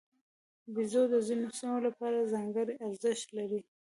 بیزو د ځینو سیمو لپاره ځانګړی ارزښت لري.